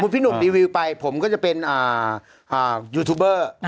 พี่หนุ่มรีวิวไปผมก็จะเป็นยูทูบเบอร์